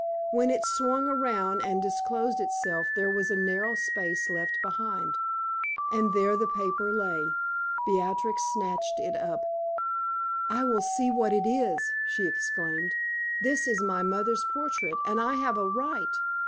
When it swung around and disclosed itself there was a narrow space left behind, and there the paper lay. Beatrix snatched it up. "I will see what it is!" she exclaimed. "This is my mother's portrait, and I have a right.